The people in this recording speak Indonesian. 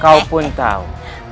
kau pun tahu